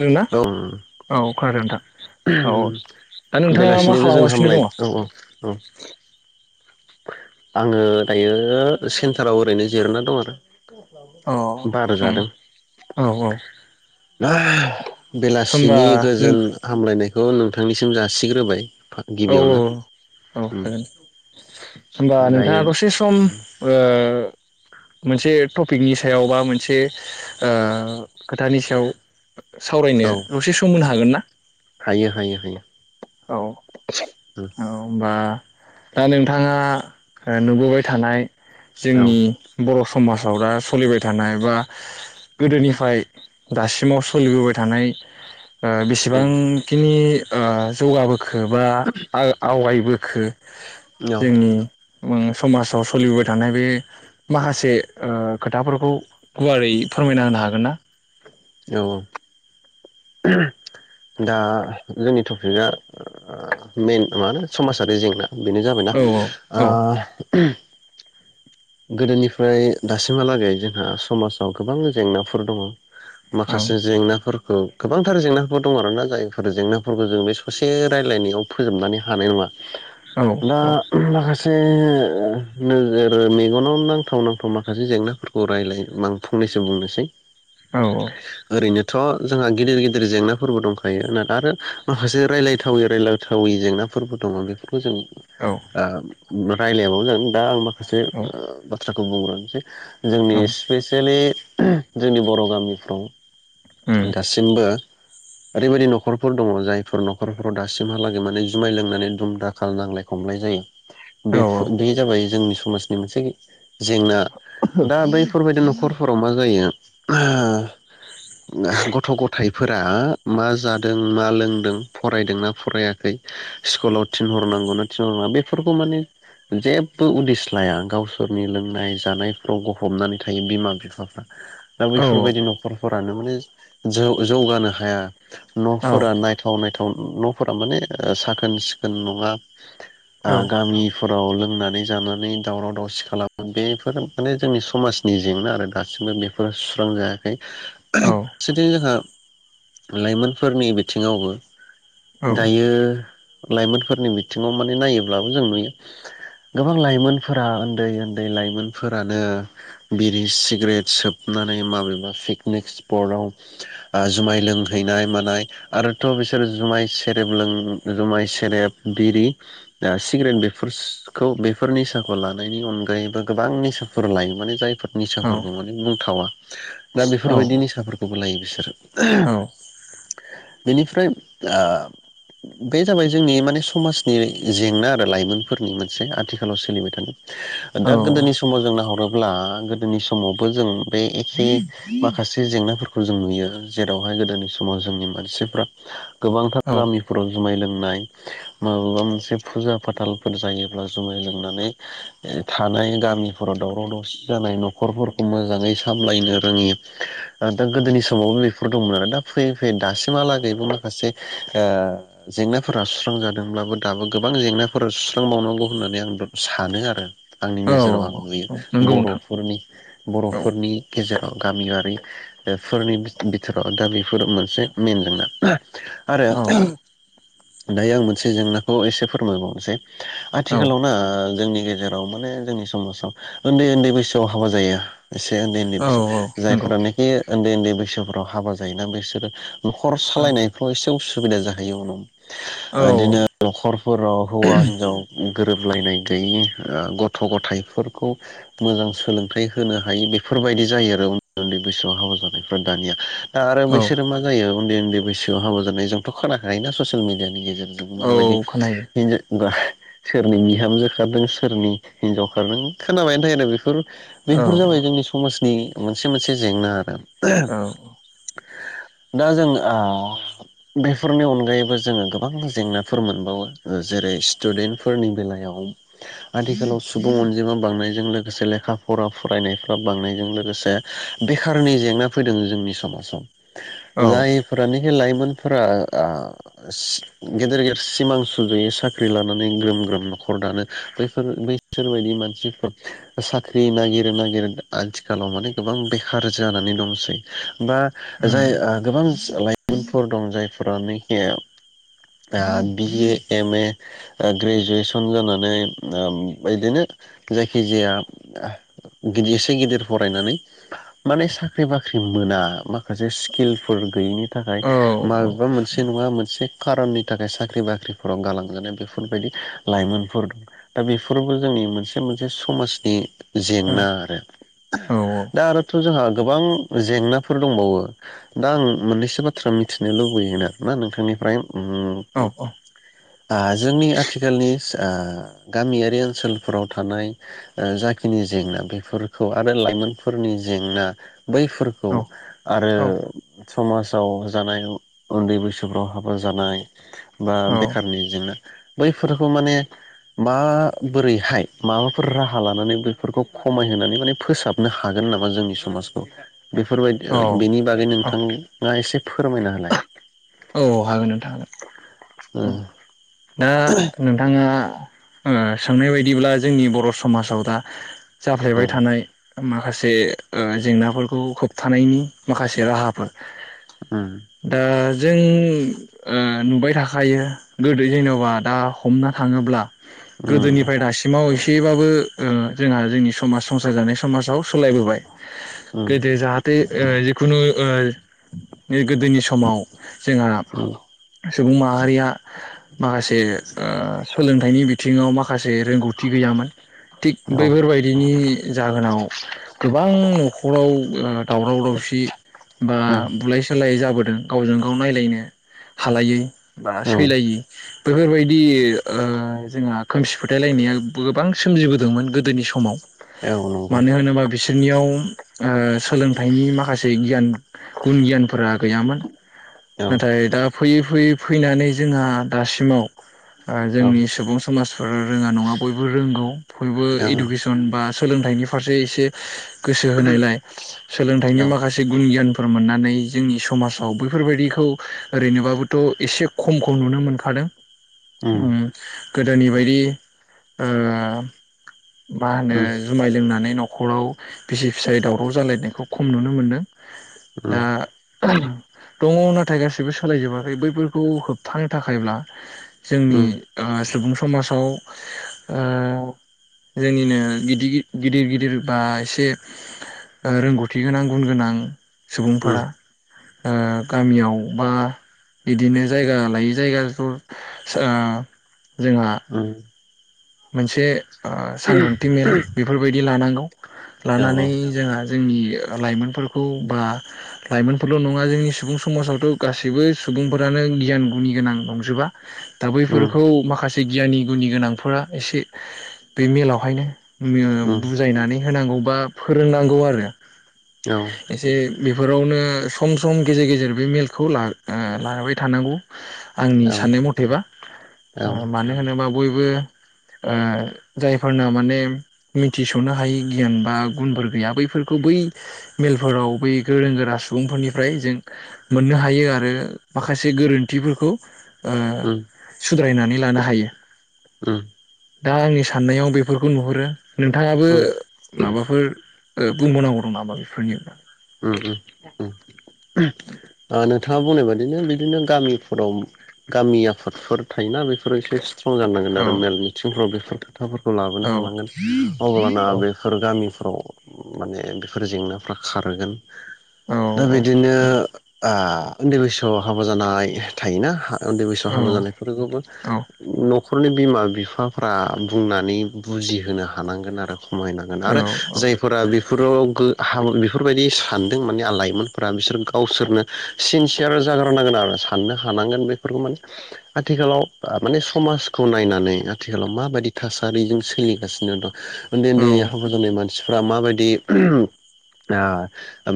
दों ना औ औ खादों नोंथां । बेलासिनि गोजोन खालामगासिनो हामलाय दङ औ औ औ । आङो दायो सेन्टाराव ओरैनो जिरना दं आरो अ बार उम जादों औ औ होमबा बेलासिनि नों गोजोन हामलायनायखौ औ नोंथांनिसिम जासिग्रोबाय औ गिबियावनो औ उम हागोन होमबा नोंथाङा दसे सम ओ मोनसे टपिकनि सायाव बा मोनसे ओ खोथानि सायाव सावरायनो औ दसे सम मोनो हागोन ना हायो हायो हायो औ औबा दा नोंथाङा ओ नुबोबाय थानाय औ जोंनि बरफोर समाजाव दा सोलिबाय थानाय बा गोदोनिफ्राय दासिमाव सोलिबोबाय थानाय ओ बेसेबांखिनि ओ जौगाबो खोबा आ आवगायबो खो औ जोंनि ओ समाजाव सोलिबोबाय थानाय बे माखासे ओ खोथाफोरखौ गुवारै फोरमायना होनो हागोन ना? औ औ दा जोंनि टपिकआ मेइन मा होनो समाजारि जेंना बेनो जाबायना औ औ ओ गोदोनिफ्राय दासिमहालागै जोंहा समाजाव गोबां जेंनाफोर दङ औ ओं माखासे जेंनाफोरखौ गोबांथार जेंनाफोर दङ आरोना जायफोर जेंनाफोरखौ जों बे ससे रायजलायनायाव फोजोबनानै हानाय नङा औ दा मा से नोजोरनि इयुनाव नांथाव नांथाव माखासे जेंनाफोरखौ रायलाय आं फंनैसो बुंनोसै औ ओरैनो थ' जोंहा गिदिर गिदिर जेंनाफोरबो दंखायो ना आरो माखासे रायलायदोंबा थावै रायलायथावै जेंनाफोरबो दङ बेफोर खौ जों औ रायलायाबावो ओं दा आं माखासे ओ औ बाथ बाथ्राखौ बुंग्रोनो सै जोंनि स्पेसेलि ओ जोंनि बर' गामिफ्राव उम ओ दासिमबो ओरैबायदि न'खरफोर दङ जायफोर न'खरफोराव दासिमहालागै माने जुमाय लोंनानै दुम दाखाल नांलाय खमलाय जायो औ बेफोर बे जाबाय जोंनि स समाजनि मोनसे जेंना दा बैफोरबायदि न न'खरफोराव मा जायो गथ' गथाइ फोर मा जादों मा लोंदों फरायदों ना फरायाखै स्कुलाव थिनहरनांगौ ना थिनहरनाङा बेफोरखौ माने जेबो उदिस लाया गावसोरनि लोंनाय जानायफ्राव गफबनानै थायो बिमा बिफाफ्रा दा औ औ बेैफोरबायदि न'खरफोरानो माने जौ जौगानो हाया न'फोरा नायथाव नाय न'फोरा माने साखोन सिखोन नङा आ गामिफोराव लोगो बुंनानै जानानै दावराव दावसि खालामो बेफोर माने जोंनि समाजनि जेंना आरो दासिमबो बेफोरो सुस्रांजायाखै औ फारसेथिं जोंहा लाइमोनफोरनि बिथिङावबो दायो लाइमोनफोरनि बिथिङाव माने नायोब्लाबो जों नुयो गोबां लाइमोनफोरा उन्दै उन्दै लाइमोनफोरानो बिरि सिगारेट सोबनानै माबेबा पिकनिक पटाव जुमाय लोंहैनाय मानाय आरोथ' बिसोर जुमाय सेरेब ल जुमाय सेरेब बिरि सिग्रेट बे बेफोर निसाखौ लानायनि अनगायैबो गोबां निसाफोर लायो माने जाय फोर निसाफोरखौ माने बुंथावा दा बेफोरबायदिनि बेफोरखौबो लायो बिसोरो [unintelligible] बेनिफ्राय आ बे जाबाय जोंनि माने समाजनि जेंना आरो लाइमोनफोरनि मोनसे आथिखालाव सोलिबाय थानाय। दा गोदोनि समाव जों नाहरो। अब्ला गोदोनि समावबो जों बे एखे माखासे जेंनाफोरखौ जों नुयो जेरावहाय गोदोनि समाव जोंनि मानसिफ्रा गोबांथार औ गामिफोराव जुमाय लों नाय माबेबा मोनसे फुजा फाथालफोर जायोब्ला जुमाय लोंनानै थानाय गामिफोराव दावराव दावसि जानाय न'खरफोरखौ मोजाङै सामलायनो रोङि दा गोदोनि समावनो फोर दंमोन आरो दा फैयै फैयै दासिमहालागैबो माखासे ओ जेंनाफोरा सुस्रांजादोंब्लाबो दाबो गोबां जेंनाफोरा सुस्रांबावनांगौ होननानै आं सानो आरो। आंनि नोजोराव आं औ नुयो नंगौ नोंथां बर'फोरनि औ बर'फोरनि गेजेराव। गामियारि फोरनि बिथोराव दाबे बेफोर मोनसे मइेन जेंना आरो औ दायो आं मोनसे जेंनाखौ एसे फोरमायबावनोसै। औ आथिखालाव ना जोंनि गेजेराव माने जोंनि समाजाव उन्दै उन्दै बैसोआव हाबा जायो। एसे उन्दै उन्दै औ बैसो नंगौ जायफोरा नै। उन्दै उन्दै बैसोफोराव हाबा जायोना। बिसोरो न'खर औ सालायनायफ्राव एसे उस सुबिदा जाहैयो उनाव औ ओदिनो न'खरफोराव हौवा हिन्जाव गोरोबलायनाय गैयि गथ' गथायाइफोरखौ मोजां सोलोंथाइ होनो हायि बेफोरबायदि जायो आरो उन्दै उन्दै बैसोआव हाबा जानायफ्रा दानिया दा आरो औ बैसोरो मा जायो। उन्दै उन्दै बैसोआव हाबा जानाय जोंथ' खोनाखायो ना ससियेल मिडियानि गेजेरजों माबायदि औ खोनायो हिनजा बा सोरनि बिहामजो खारदों सोरनि हिनजाव खारदों खोनाबायानो थायो आरो बेफोर औ बेफोर जाबाय जोंनि समाज नि मोनसे मोनसे जेंना आरो औ औ दा जों बेफोरनि अनगायैबो जोङो गोबां जेंनाफोर मोनबावो जेरै स्टुडेन्टफोरनि बेलायाव आथिखालाव सुबुं अनजिमा बांनायजों लोगोसे लेखा फरा फरायनायफ्रा बांनायजों लोगोसे बेखारनि जेंना फैदों जोंनि समाजाव औ जायफोरानोखि लाइ मोनफोरा ओ सि गेदेर गेदेर सिमां सुजुयो साख्रि लानानै ग्रोम ग्रोम न'खर दानो बैफोर बैसोरबायदि मानसिफोर साख्रि नागिरो नागिर आथिखालाव माने गोबां बे खार जानानै दंसै बा जाय गोबां लाइमोनफोर दं जायफोरानोखि बि ए एम ए ग्रेजुवेसन जानानै बिदिनो जायखिजाया गिदिर एसे गिदिर फरायनानै माने साख्रि बाख्रि मोना मा खासे स्किलफोर गैयिनि थाखाय माबेबा मोनसे नङा मोनसे खारननि थाखाय साख्रि बाख्रिफोराव गालांजानाय बेफोरबायदि लाइमोनफोर दं दा बेफोरबो जोंनि मोनसे मोनसे समाजनि जेंना आरो दा आरो जोंहा गोबां जेंनाफोर दंबावो दा आं मोननैसो बाथ्रा मिथिनो लुबैयो ना नोंथांनिफ्राय उम आ जोंनि आथिखालनि जा गामियारि ओनसोलफोराव थानाय जाखिनि जेंना बेफोरखौ आरो लाइमोनफोरनि जेंना बैफोरखौ आरो औ समाजाव जानाय उन्दै बैसोफ्राव हाबा जानाय बा बेखारनि जेंना बैफोरखौ माने माबोरैहाय माबाफोर राहा लानानै बैफोरखौ खमायहोनानै माने फोसाबनो हागोन नामा मा जोंनि समाजखौ बेफोरबायदि बेनि बागै नोंथांनि ना एसे फोरमायनो होलाय औ हागोन नोंथां हागोन ओ दा नोंथाङा ओ सोंनाय बायदिब्ला जोंनि बर' समाजाव दा जाफ्लेबाय औ थानाय माखासे बे जेंनाफोरखौ होबथानायनि माखासे राहाफोर उम दा जों ओं नुबाय थाखायो गोदो जेन'बा दा हमनो थाङोब्ला उम गोदोनिफ्राय दासिमाव एसेबाबो ओ जोंहा जोंनि समाज संसार जानाय समाजाव सालायबोबाय उम गोदो जाहाथे ओ जिखुनु ओ गोदोनि समाव जोंहा उम सुबुं माहारिया माखासे ओ सोलोंथाइनि बिथ थिङाव मा माखासे रोंगौथि गैयामोन थिग औ बैफोरबायदिनि ओ जाहोनाव गोबां न'खराव दावराव दावसि बा औ बुलाय सोलायै जाबोदों [inaudible] गावजों गाव नायलायनो हालायै बा औ सैलायि बेफोरबायदि ओ जोंहा खोमसि फोथायलायनाया गोबां सोमजिबोदोंमोन गोदोनि समाव औ नंगौ मानो होननोबा बिसोर बिसोरनियाव ओ सोलोंथाइनि माखासे गियान गुन गियानफोरा गैया औ नाथाय दा फैयै फैयै फैनानै जोंहा दासिमाव ओ औ जोंनि सुबुं समाजफोरा रोङा नङा बयबो रोंगौ बयबो औ इडुकेसन बा सोलों सोलोंथाइनि फारसे एसे गोसो होनायलाय सोलोंथाइनि औ माखासे गुन गियान फोर मोननानै जोंनि समाजाव औ बैफोरबायदिखौ ओरैनोबाबोथ' एसे खमखौ नुनो मोनखादों उम गोदोनि बायदि ओ मा होनो उम जुमाय लोंनानै न' न'खराव बिसि फिसायै दावराव जालायनायखौ खम नुनो मोनदों उम दा [inaudible] दङ नाथाय गासिबो सोलायजोबाखै बैफोरखौ होबथानो थाखायब्ला जोंनि उम ओ सुबुं समाजाव ओ जोंनिनो गिदि गिदि गिदिर गिदिरबा एसे रोंगौथि गोनां गुन गोनां उम सुबुंफोरा ओ गामियाव बा बिदिनो जायगा लायै जायगा ज' ओ जोंहा उम मोनसे ओ सांग्रांथि मेल बेफोरबायदि लानांगौ औ लानानै जोंहा जोंनि लाइमोनफोरखौ बा लाइमोनफोरल' नङा जोंनि सुबुं समाजावथ' गासैबो सुबुंफोरानो गियान गुनि गोनां नंजोबा दा उम बैफोरखौ माखासे दि गियाननि गुनि गोनांफोरा एसे बे मेलावहायनो ओ उम बुजायनानै होनांगौ बा फोरोंनांगौ आरो औ एसे बेफोरावनो सम सम गेजेर गेजेर बे मेलखौ लाबो ओ लाबाय थानांगौ औ उम आंनि साननाय मथेबा अ मानो होनोबा बयबो ओ जायफोरना माने मिथिस'नो हायि गियान बा गुनफोर गैया बैफोरखौ बै मेलफोराव बै गोरों गोरा सुबुंफोरनिफ्राय जों मोननो हायो आरो माखासे गोरोन्थिफोरखौ ओ सुद्रायनानै लानो हायो ओम दा आंनि साननायाव बेफोरखौ नुहुरो नोंथाङाबो माबाफोर बुंबावनांगौ दं नामा बेफोरनि [unintelligible] दानो बिथाङा बुंनाय बादिनो बिदिनो गामिफोराव गामि आफादफोर थायोना बेफोरो एसे स्ट्रं जानांगोन आरो औ औ मेल मिथिंफ्राव बेफोर [unintelligible] खोथाफोरखौ लाबोनो औ औ हानांगोन अब्लाना बेफोर गामि औ माने बेफोर जेंनाफ्रा खार गोन औ दा बिदिनो ओ उन्दै बैसोआव हाबा जानाय थायोना उन्दै बैसोआव औ हाबा जानायफोरखौबो न न'खरनि बिमा बिफाफ्रा बुंनानै बुजिहोनो हानांगोन आरो खमायनांगोन आरो जायफोरा बै [unintelligible] बेफोरबायदि सानदों माने लाइमोनफोरा बिसोर गावसोरनो सिनसियार जाग्रो नांगोन आरो साननो हानांगोन बेफोरखौ माने आथिखालाव माने समाजखौ नायनानै आथिखालाव माबायदि थासारिजों सोलिगासिनो दं उन्दै उन्दै हाबा जानाय मानसि फोरा माबायदि ओ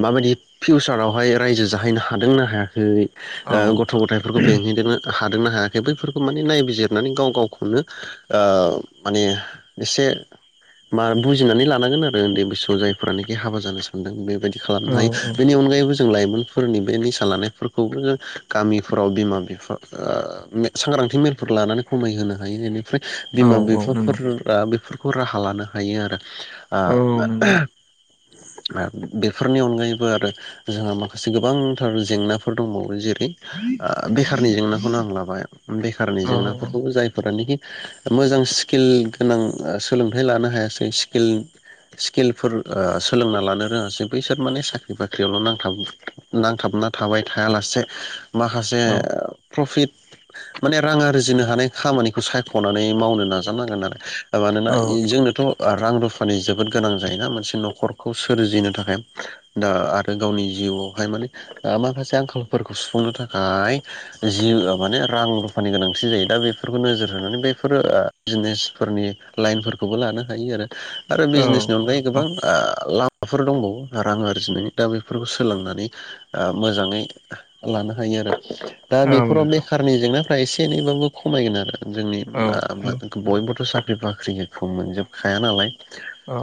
माबायदि फिउसारावहाय रायजो जाहैनो हादोंना हायाखै गथ' गथायफोरखौ बेंहैदोंना हादोंना हायाखै बैफोरखौ माने नायबिजिरनानै गाव गावखौनो ओ माने एसे मा ओ बुजिनानै लानांगोन आरो उन्दै बैसोआव जायफोरानोखि हाबा जानो सान दों बायदि खालामनो हायो औ बेनि अनगायैबो जों लाइमोनफोरनि बे निसा लानायफोरखौबो जो गामिफोराव बिमा बिफा सांग्रांथि मेलफोर लानानै खमायहोनो हायो बेनिफ्राय औ बिमा औ नंगौ बिफाफोरा बेफोर बेखौ राहा लानो हायो आरो औ नंगौ आ [inaudible] आरो बेफोरनि अनगायैबो आरो जोंहा माखासे गोबांथार जेंनाफोर दंबावो जेरै ओ बेखारनि जेंना खौनो आं लाबाय बेखारनि औ जेंनाफोरखौ जायफोरनोखि मोजां स्किल गोनां ओ सोलोंथाइ लानो हायासै स्किल स्किलफोर सोलोंना लानो रोङासै बैसोर माने साख्रि बाख्रियावल' नांथाब नांथाबना थाबाय थायालासे माखासे औ प्रफिट माने रां आरजिनो हानाय खामानिखौ सायख'नानै मावनो नाजानांगोन आरो मानोना इ नंगौ जोंनोथ' ओ रां रुफानि जोबोद गोनां जायोना मोनसे न'खर खौ सोरजिनो थाखाय दा आरो गावनि जिउआवहाय माने ओ माखासे आंखालफोरखौ सुफुंनो थाखाय जि माने रां रुफानि गोनांथि जायो दा बेफोरखौ नोजोर होनानै बेफोरो बिजनेसफोरनि लाइनफोरखौबो लानो हायो आरो आरो बिजनेसनि अनगायै गोबांफ्रा ओ लामाफोर दंबावो रां आरजिनाय दा बेफोरखौ सोलोंनानै ओ मोजाङै लानो हायो आरो दा बेफोराव बेखारनि जेंना फ्राय एसे एनैबाबो खमायगोन आरो जोंनि मा होन बयबोथ' दा बे बाख्रिखौ खौ मोनजोबखाया नालाय औ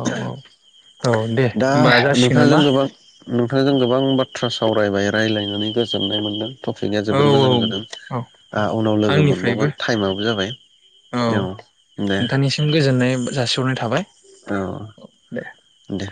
औ औ दे दा होमबा जासिगोन नोंथांजों नामा गोबां नोंथांजों गोबां बाथ्रा सावरायबाय रायलायनानै गोजोननाय मोन्दों टपिकनिया औ जोबोद मोजां जादों औ आहा उनाव लोगो आंनिफ्रायबो मोनबावगोन टाइमाबो जाबाय औ दे नोंथांनिसिम गोजोननाय जासिहरनाय थाबाय औ दे दे